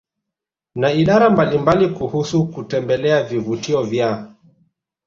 na idara mbalimbalia kuhusu kutembelea vivutio vya